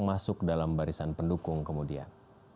masuk dalam barisan pendukung kemudian